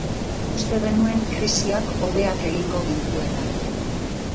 Uste genuen krisiak hobeak egingo gintuela.